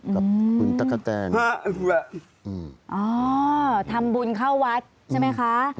กับคุณตะกะแตนอ๋อทำบุญเข้าวัดใช่ไหมคะ